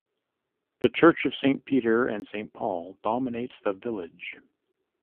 The Church of Saint Peter and Saint Paul dominates the village.